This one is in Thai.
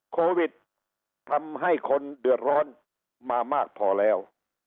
โควิดทำให้คนเดือดร้อนมามากพอแล้ว